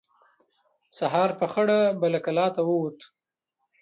سهار په خړه به له کلا ووت.